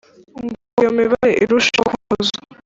ngo iyo mibare irusheho kunozwa